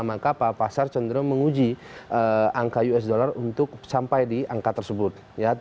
maka pak pasar cenderung menguji angka usd untuk sampai di angka tersebut